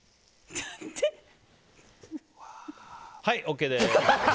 はい、ＯＫです。